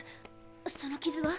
その傷は？